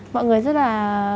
mọi người rất là